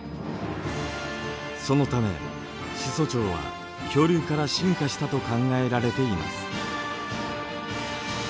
そのため始祖鳥は恐竜から進化したと考えられています。